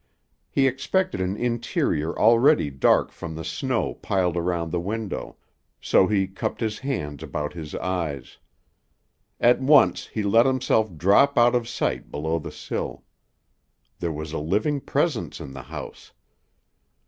He expected an interior already dark from the snow piled round the window, so he cupped his hands about his eyes. At once he let himself drop out of sight below the sill. There was a living presence in the house.